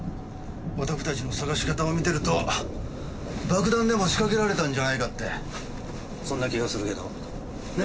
おたくたちの捜し方を見てると爆弾でも仕掛けられたんじゃないかってそんな気がするけどね。